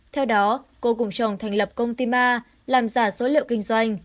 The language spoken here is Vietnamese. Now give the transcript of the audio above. theo đó cô cùng chồng thành lập công ty ma làm giả số liệu kinh doanh